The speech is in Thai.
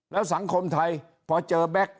แล้วสังคมไทยพอเจอแบ็ค